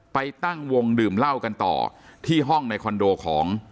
ตั้งวงดื่มเหล้ากันต่อที่ห้องในคอนโดของ